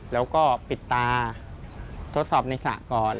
แล้วก็ปิดตาทดสอบในสระก่อน